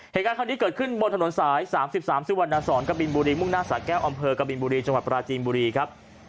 เหตุการณ์ครั้งนี้เกิดขึ้นบนถนนสาย๓๓สุวรรณสอนกะบินบุรีมุ่งหน้าสาแก้วอำเภอกบินบุรีจังหวัดปราจีนบุรีครับ